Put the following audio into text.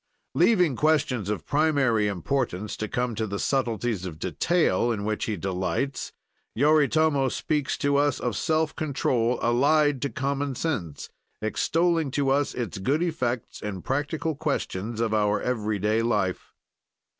Leaving questions of primary importance to come to the subtleties of detail in which, he delights, Yoritomo speaks to us of self control allied to common sense, extolling to us its good effects in practical questions of our every day life.